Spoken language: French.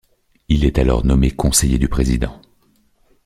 Il est alors nommé conseiller du Président.